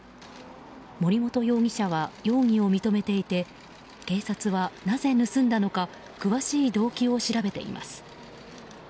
森本容疑者は容疑を認めていて警察は、なぜ盗んだのか詳しい動機を調べています。